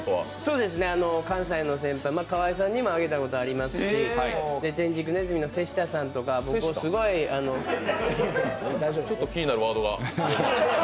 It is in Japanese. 関西の先輩、河井さんにもあげたことがありますし天竺鼠の瀬下さんとか僕をすごいちょっと気になるワードが。